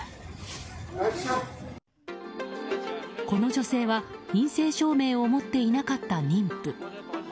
この女性は陰性証明を持っていなかった妊婦。